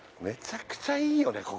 めちゃくちゃいいよね